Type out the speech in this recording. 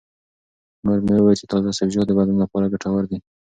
مور مې وویل چې تازه سبزیجات د بدن لپاره ګټور دي.